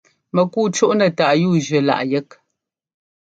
Mɛkúu cúꞌnɛ́ táꞌ yúujʉ́ láꞌ yɛ́k.